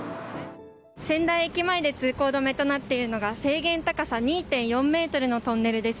仙台駅前で通行止めとなっているのが制限の高さ２．４ｍのトンネルです。